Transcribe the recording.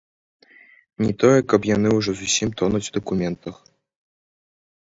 Не тое, каб яны ўжо зусім тонуць у дакументах.